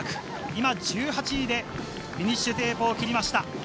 今、１８位でフィニッシュテープを切りました。